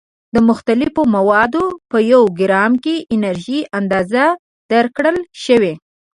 د مختلفو موادو په یو ګرام کې انرژي اندازه درکړل شوې.